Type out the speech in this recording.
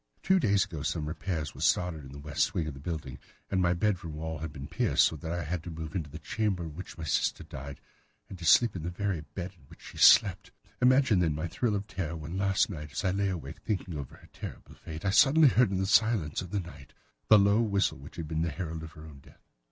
Two days ago some repairs were started in the west wing of the building, and my bedroom wall has been pierced, so that I have had to move into the chamber in which my sister died, and to sleep in the very bed in which she slept. Imagine, then, my thrill of terror when last night, as I lay awake, thinking over her terrible fate, I suddenly heard in the silence of the night the low whistle which had been the herald of her own death.